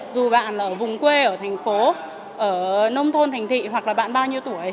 dù bạn ở vùng quê ở thành phố ở nông thôn thành thị hoặc là bạn bao nhiêu tuổi